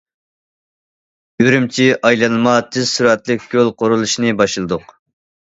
ئۈرۈمچى ئايلانما تېز سۈرئەتلىك يول قۇرۇلۇشىنى باشلىدۇق.